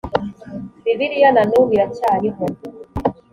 bibiliya na n ubu iracyariho